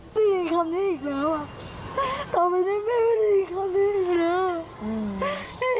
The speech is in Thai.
ได้ยินคำนี้อีกแล้วอ่ะต่อไปนี้แม่ไม่ได้ยินคำนี้อีกแล้ว